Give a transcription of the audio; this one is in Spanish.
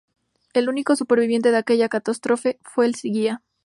El único superviviente de aquella catástrofe fue el guía.